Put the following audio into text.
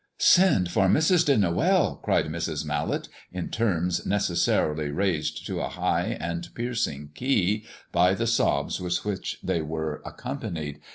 "Send for Mrs. de Noël," cried Mrs. Mallet in tones necessarily raised to a high and piercing key by the sobs with which they were accompanied.